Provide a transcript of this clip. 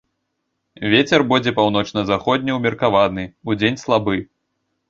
Вецер будзе паўночна-заходні ўмеркаваны, удзень слабы.